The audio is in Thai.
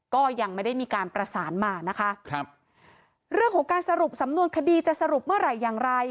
ก็ยังไม่ได้มีการประสานมานะคะครับเรื่องของการสรุปสำนวนคดีจะสรุปเมื่อไหร่อย่างไร